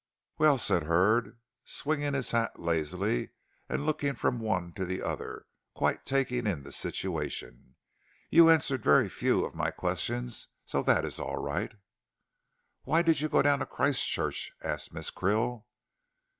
"Well," said Hurd, swinging his hat lazily, and looking from one to the other, quite taking in the situation, "you answered very few of my questions, so that is all right." "Why did you go down to Christchurch?" asked Miss Krill.